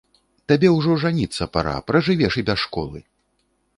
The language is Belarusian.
Табе ўжо жаніцца пара, пражывеш і без школы!